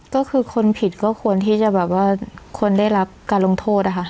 ก็คือคนผิดก็ควรที่จะแบบว่าควรได้รับการลงโทษอะค่ะ